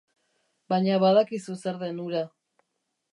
Baina badakizu zer den hura.